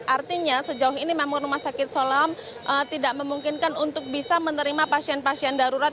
artinya sejauh ini memang rumah sakit solam tidak memungkinkan untuk bisa menerima pasien pasien darurat